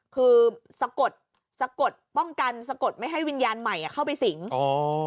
คือป้องกันสะกดไม่ให้วิญญาณใหม่เข้าไปสิงห์